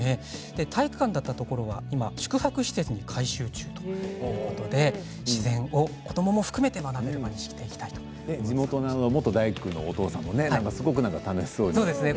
体育館だったところは今宿泊施設に改修中ということで自然を、子どもも含めて地元の元大工のお父さんもすごく楽しそうでしたね。